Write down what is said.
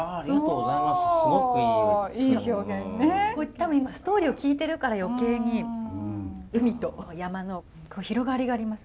たぶん今ストーリーを聞いてるから余計に海と山の広がりがあります。